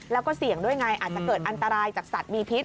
แล้วก็เสี่ยงด้วยไงอาจจะเกิดอันตรายจากสัตว์มีพิษ